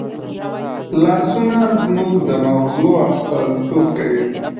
لاسونه زموږ د مغزو استازیتوب کوي